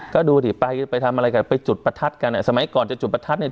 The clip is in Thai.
ก็ดูดิไปไปทำอะไรกันไปจุดประทัดกันอ่ะสมัยก่อนจะจุดประทัดเนี่ย